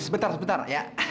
sebentar sebentar ya